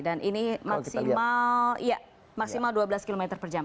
dan ini maksimal dua belas km per jam